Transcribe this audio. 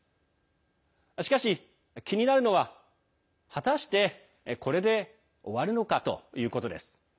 しかし、気になるのは果たしてこれで終わるのかということです。